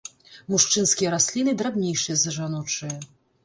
Мужчынскія расліны драбнейшыя за жаночыя.